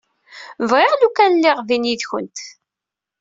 Bɣiɣ lukan lliɣ din yid-kent.